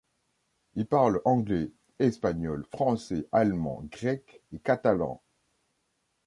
Il parle anglais, espagnol, français, allemand, grec et catalan.